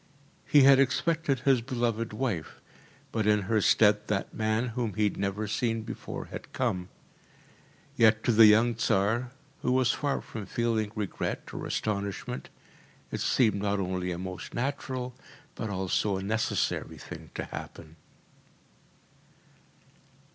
He had expected his beloved wife, but in her stead that man whom he had never seen before had come. Yet to the young Tsar, who was far from feeling regret or astonishment, it seemed not only a most natural, but also a necessary thing to happen.